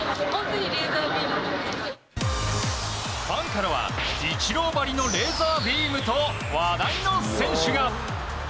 ファンからはイチローばりのレーザービームと話題の選手が。